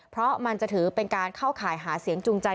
เพราะมันจะถือเป็นการเข้าข่ายหาเสียงจูงใจ